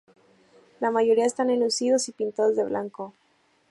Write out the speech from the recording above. La mayoría están enlucidos y pintados de blanco.